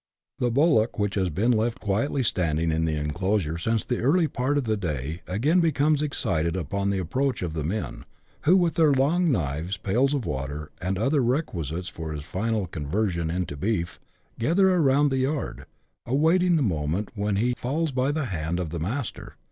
The bullock, which has been left quietly standing in the en closure since the early part of the day, again becomes excited upon the approach of the men, who, with their long' knives, pails of water, and other requisites for his final conversion into beef, gather around the yard, awaiting the moment when he falls by the hand of " the master."